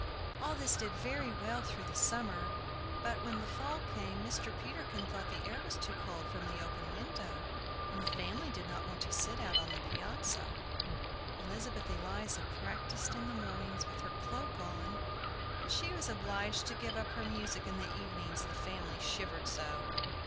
All this did very well through the summer; but, when the fall came, Mr. Peterkin thought the air was too cold from the open window, and the family did not want to sit out on the piazza. Elizabeth Eliza practiced in the mornings with her cloak on; but she was obliged to give up her music in the evenings the family shivered so.